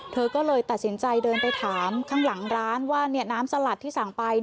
เธอก็เลยตัดสินใจเดินไปถามข้างหลังร้านว่าน้ำสลัดที่สั่งไป